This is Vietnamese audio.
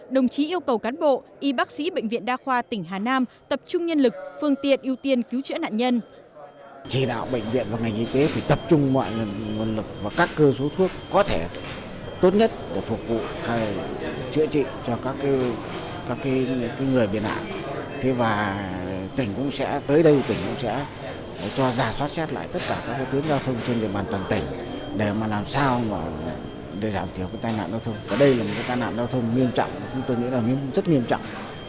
đồng chí yêu cầu cán bộ y bác sĩ bệnh viện đa khoa tỉnh hà nam tập trung nhân lực phương tiện ưu tiên cứu chữa nạn nhân